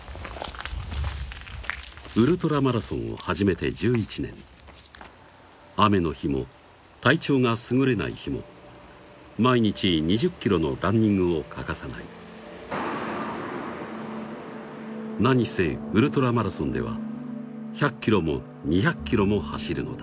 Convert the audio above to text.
ウルトラマラソンを始めて１１年雨の日も体調がすぐれない日も毎日２０ｋｍのランニングを欠かさない何せウルトラマラソンでは１００ｋｍも２００ｋｍも走るのだ